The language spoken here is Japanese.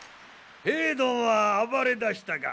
兵どもは暴れだしたか。